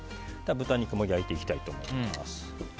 豚肉も焼いていきたいと思います。